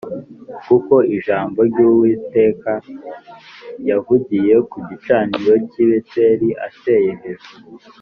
kuko ijambo ry’Uwiteka yavugiye ku gicaniro cy’i Beteli ateye hejuru